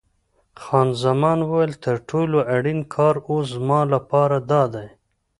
خان زمان وویل: تر ټولو اړین کار اوس زما لپاره دادی.